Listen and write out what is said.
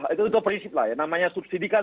itu prinsip lah ya namanya subsidikan